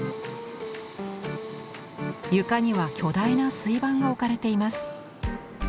床には巨大な水盤が置かれています。